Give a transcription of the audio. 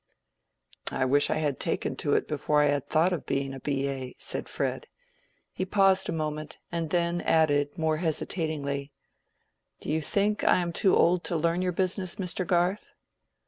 "I wish I had taken to it before I had thought of being a B. A.," said Fred. He paused a moment, and then added, more hesitatingly, "Do you think I am too old to learn your business, Mr. Garth?"